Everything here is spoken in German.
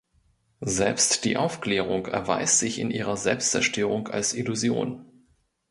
Selbst die Aufklärung erweist sich mit ihrer Selbstzerstörung als Illusion.